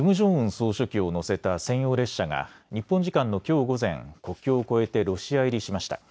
総書記を乗せた専用列車が日本時間のきょう午前、国境を越えてロシア入りしました。